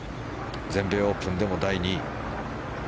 全米オープンでも第２位。